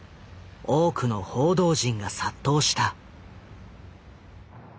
多くの報道陣が殺到した。